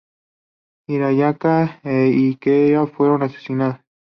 Hirayama e Ikeda fueron asesinados.